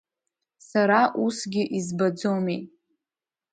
Сара усгьы избаӡомеи.